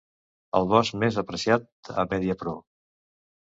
El bosc més apreciat a Mediapro.